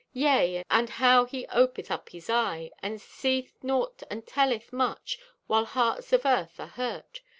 Yea, and how he opeth up his eye, And seeth naught and telleth much— While hearts of earth are hurt.